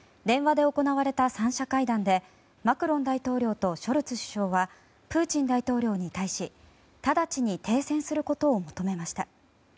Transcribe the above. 電話で行われた３者会談でマクロン大統領とショルツ首相はプーチン大統領に対し直ちに停戦することを求めました。